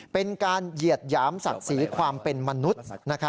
เป็นการเหยียดหยามศักดิ์ศรีความเป็นมนุษย์